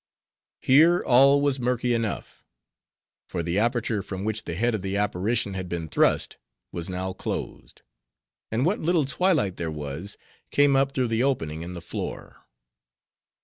Here, all was murky enough; for the aperture from which the head of the apparition had been thrust, was now closed; and what little twilight there was, came up through the opening in the floor.